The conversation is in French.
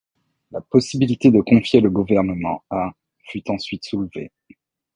La possibilité de confier le gouvernement à fut ensuite soulevée.